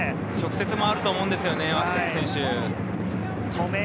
直接もあると思うんですよね、脇坂選手。